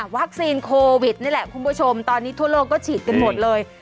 โควิดนี่แหละคุณผู้ชมตอนนี้ทั่วโลกก็ฉีดกันหมดเลย